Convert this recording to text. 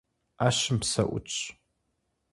Ӏэщым псэ ӏутщ.